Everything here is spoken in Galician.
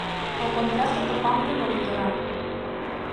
O contraste atopámolo no litoral.